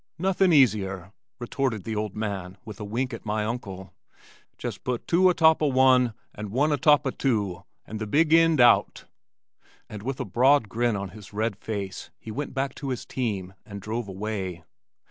"Nothin' easier," retorted the old man with a wink at my uncle, "jest putt two a top o' one and one a toppo two and the big eend out," and with a broad grin on his red face he went back to his team and drove away.